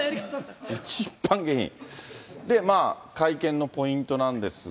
まあ、会見のポイントなんですが。